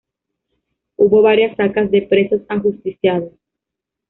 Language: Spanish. Hubo varias sacas de presos ajusticiados.